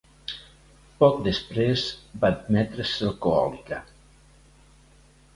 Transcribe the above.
Poc després, va admetre ser alcohòlica.